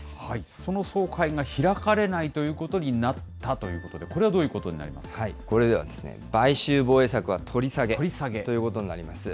その総会が開かれないことになったということで、これはどうこれでは、買収防衛策は取り下げということになります。